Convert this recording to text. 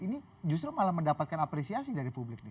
ini justru malah mendapatkan apresiasi dari publik nih